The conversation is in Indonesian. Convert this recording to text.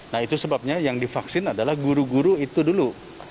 nah itu sebabnya yang divaksin adalah guru guru itu dulu